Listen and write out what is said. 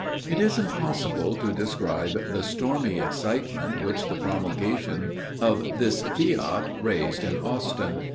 It is impossible to describe the stormy excitement which the promulgation of this fiat raised in Austin.